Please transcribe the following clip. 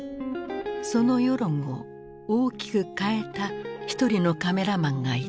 その世論を大きく変えた一人のカメラマンがいた。